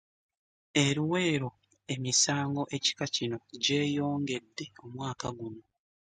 E Luweero, emisango ekika kino gyeyongedde omwaka guno.